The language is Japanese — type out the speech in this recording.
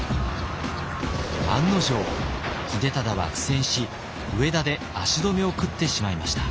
案の定秀忠は苦戦し上田で足止めを食ってしまいました。